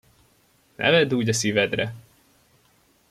Ne vedd úgy a szívedre!